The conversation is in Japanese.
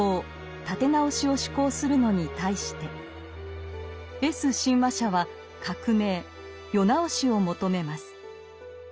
「立て直し」を志向するのに対してＳ親和者は革命「世直し」を求めます。